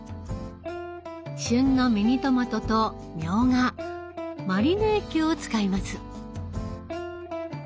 旬のミニトマトとみょうがマリネ液を使います。